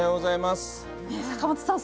坂本さん